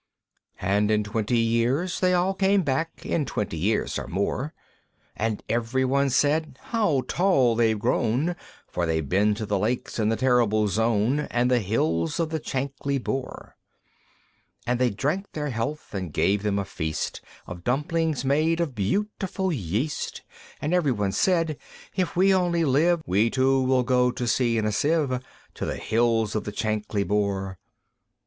VI. And in twenty years they all came back, In twenty years or more, And every one said, "How tall they've grown! For they've been to the Lakes, and the Torrible Zone, And the hills of the Chankly Bore;" And they drank their health, and gave them a feast Of dumplings made of beautiful yeast; And every one said, "If we only live, We too will go to sea in a Sieve To the hills of the Chankly Bore!"